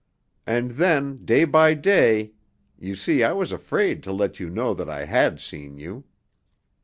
And then, day by day you see, I was afraid to let you know that I had seen you.